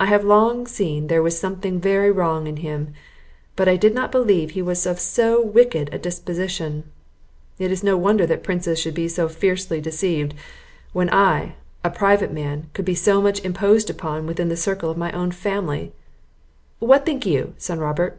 I have long seen there was something very wrong in him; but I did not believe he was of so wicked a disposition; It is no wonder that princes should be so frequently deceived, when I, a private man, could be so much imposed upon within the circle of my own family. What think you, son Robert?"